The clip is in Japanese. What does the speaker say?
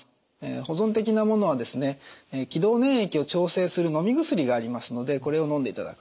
保存的なものは気道粘液を調整するのみ薬がありますのでこれをのんでいただく。